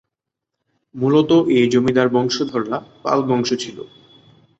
মূলত এই জমিদার বংশধররা "পাল বংশ" ছিল।